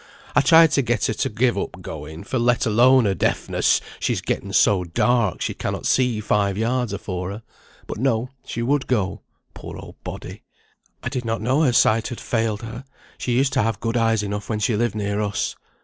I tried to get her to give up going, for let alone her deafness she's getten so dark, she cannot see five yards afore her; but no, she would go, poor old body." "I did not know her sight had failed her; she used to have good eyes enough when she lived near us."